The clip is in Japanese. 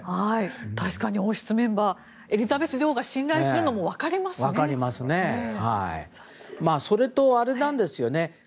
確かに王室メンバーエリザベス女王が信頼するのもそれとあれなんですよ。